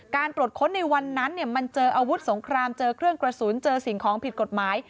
ตรวจค้นในวันนั้นมันเจออาวุธสงครามเจอเครื่องกระสุนเจอสิ่งของผิดกฎหมาย